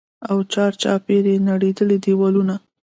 او چارچاپېره يې نړېدلي دېوالونه.